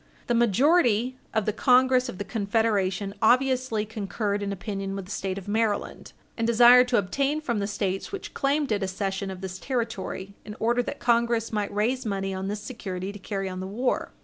The majority of the Congress of the Confederation obviously concurred in opinion with the State of Maryland, and desired to obtain from the States which claimed it a cession of this territory, in order that Congress might raise money on this security to carry on the war.